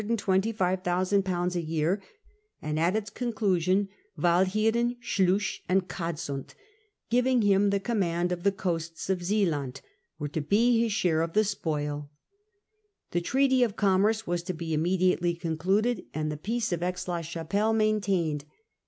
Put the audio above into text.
a year ; and at its conclusion, Wal cheren, Sluys, and Cadsand, giving him the command of the coasts of Zealand, were to be his share of the spoil. The treaty of commerce was to be immediately con cluded, and the Peace of Aix la Chapelle maintained.